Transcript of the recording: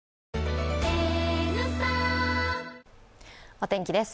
お天気です。